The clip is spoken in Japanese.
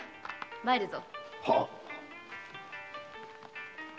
参るぞ。